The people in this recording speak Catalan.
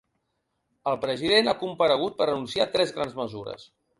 El president ha comparegut per a anunciar tres grans mesures.